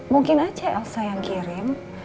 mungkin aja elsa yang kirim